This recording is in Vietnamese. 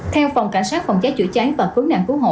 theo phòng cảnh sát phòng cháy chữa cháy và khu nạn khu hộ